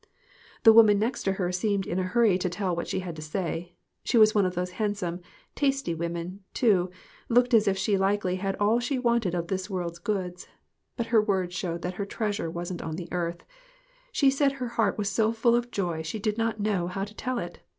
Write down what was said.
The woman next to her seemed in a hurry to tell what she had to say. She was one of those handsome, tasty women, too looked as if she likely had all she wanted of this world's goods. But her words showed that her treasure wasn't on the earth. She said her heart was so full of joy she did not know how to tell it.